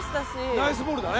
ナイスボールだね。